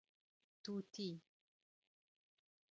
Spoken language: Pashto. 🦜 طوطي